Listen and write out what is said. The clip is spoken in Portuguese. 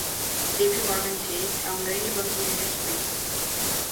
JPMorgan Chase é um grande banco de investimento.